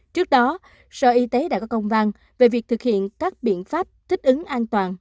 trước đó sở y tế đã có công văn về việc thực hiện các biện pháp thích ứng an toàn